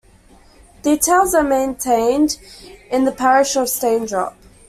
Details are maintained in the parish of Staindrop.